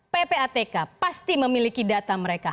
ppatk pasti memiliki data mereka